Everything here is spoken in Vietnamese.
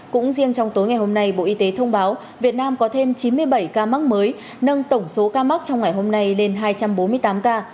cũng riêng trong tối ngày hôm nay bộ y tế thông báo việt nam có thêm chín mươi bảy ca mắc mới nâng tổng số ca mắc trong ngày hôm nay lên hai trăm bốn mươi tám ca